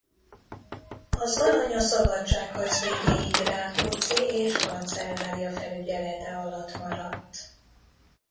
Az arany a szabadságharc végéig Rákóczi és kancellárja felügyelete alatt maradt.